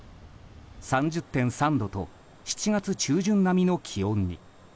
３０．３度と７月中旬並みの気温に。